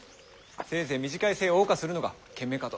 せいぜい短い生を謳歌するのが賢明かと。